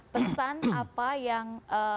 pesan apa yang